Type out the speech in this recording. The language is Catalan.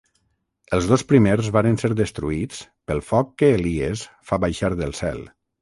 Els dos primers varen ser destruïts pel foc que Elies fa baixar del cel.